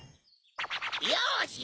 よし！